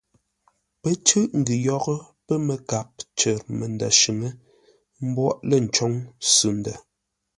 Pə́ cʉ́ʼ ngʉ yórə́ pə́ məkap cər məndə̂ shʉ̌ŋ; ə́ mbóghʼ lə̂ ncôŋ sʉ ndə̂.